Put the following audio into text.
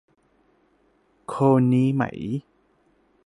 โคลนี้ไหม